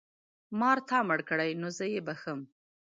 مار تا مړ کړی نو زه یې بښم.